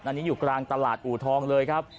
อันนี้อยู่กลางตลาดอูทองเลยครับ